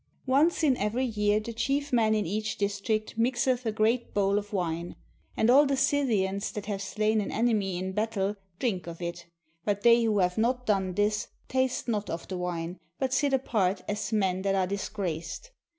Once in every year the chief man in each district mix etha great bowl of wine; and all the Scythians that have slain an enemy in battle drink of it; but they who have not done this taste not of the wine, but sit apart as men that are disgraced.